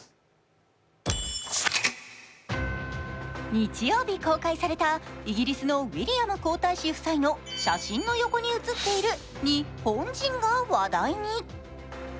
日曜日、公開されたイギリスのウィリアム皇太子夫妻の写真の横に写っている日本人が話題に。